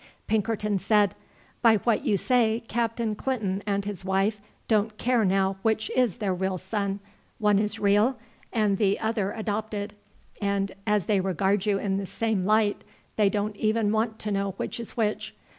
Pinkerton said: "By what you say Captain Clinton and his wife don't care now which is their real son; one is real and the other adopted, and as they regard you in the same light they don't even want to know which is which.